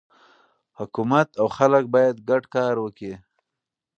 حکومت او خلک باید ګډ کار وکړي.